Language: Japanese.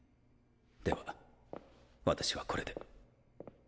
では私はこれで。